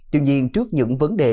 tuy nhiên trước những vấn đề